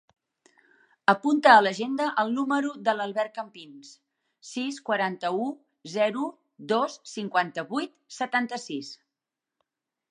Apunta a l'agenda el número de l'Albert Campins: sis, quaranta-u, zero, dos, cinquanta-vuit, setanta-sis.